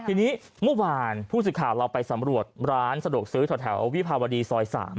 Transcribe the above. ทีนี้เมื่อวานผู้สื่อข่าวเราไปสำรวจร้านสะดวกซื้อแถววิภาวดีซอย๓